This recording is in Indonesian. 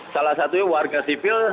salah satunya warga sivil